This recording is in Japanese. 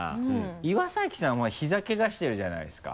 岩崎さんは膝けがしてるじゃないですか。